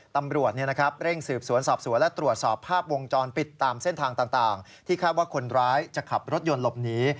ตำรวจเร่งสืบสวนสอบสวนและตรวจสอบภาพวงจรปิดตามเส้นทางต่างที่คาดว่าคนร้ายจะขับรถยนต์หลบหนี